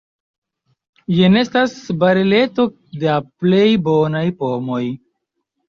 Jen estas bareleto da plej bonaj pomoj.